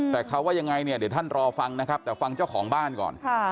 แต่เขาว่ายังไงเนี่ยเดี๋ยวท่านรอฟังนะครับแต่ฟังเจ้าของบ้านก่อน